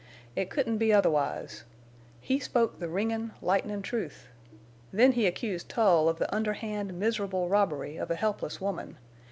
It couldn't be otherwise. He spoke the ringin', lightnin' truth.... Then he accused Tull of the underhand, miserable robbery of a helpless woman.